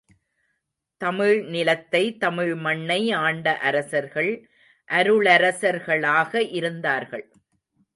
தமிழ் நிலத்தை, தமிழ் மண்ணை ஆண்ட அரசர்கள் அருளரசர்களாக இருந்தார்கள்.